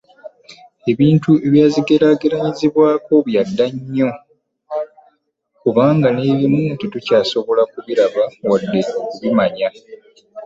Ebintu ebyazigeraageranyizibwako bya dda nnyo kubanga n’ebimu tetukyasobola kubiraba wadde okubimanya.